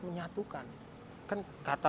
menyatukan kan kata